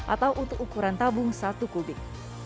atau untuk ukuran tabung satu kubik